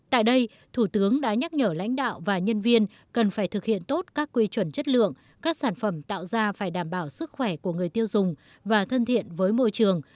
tại đây thủ tướng đã nhắc nhở lãnh đạo và nhân viên cần phải thực hiện tốt các quy chuẩn chất lượng các sản phẩm tạo ra phải đảm bảo sức khỏe của người tiêu dùng và thân thiện với môi trường